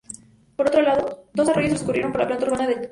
Por otro lado, dos arroyos transcurren por la planta urbana de Chajarí.